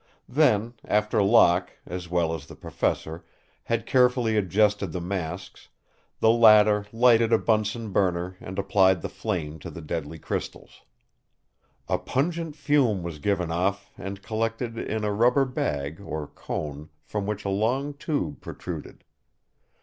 Then, after Locke, as well as the professor, had carefully adjusted the masks, the latter lighted a Bunsen burner and applied the flame to the deadly crystals. A pungent fume was given off and collected in a rubber bag, or cone, from which a long tube protruded.